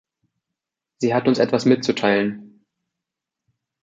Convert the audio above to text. Sie hat uns etwas mitzuteilen.